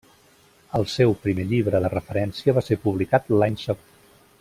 El seu primer llibre de referència va ser publicat l'any següent.